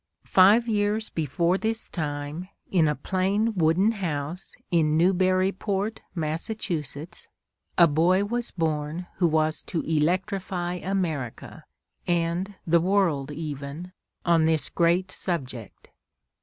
Five years before this time, in a plain, wooden house in Newburyport, Mass., a boy was born who was to electrify America, and the world even, on this great subject.